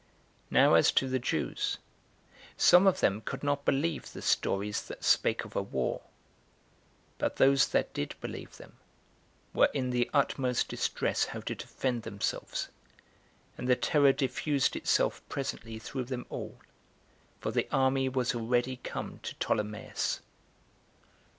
Now as to the Jews, some of them could not believe the stories that spake of a war; but those that did believe them were in the utmost distress how to defend themselves, and the terror diffused itself presently through them all; for the army was already come to Ptolemais.